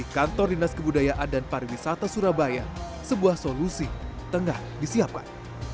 kantor dinas kebudayaan dan pariwisata surabaya sebuah solusi tengah disiapkan